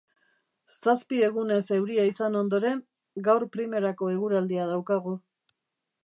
Zazpi egunez euria izan ondoren, gaur primerako eguraldia daukagu